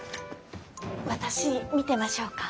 私見てましょうか。